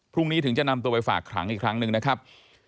พรุ่งนี้ถึงจะนำตัวไปฝากขังอีกครั้งหนึ่งนะครับ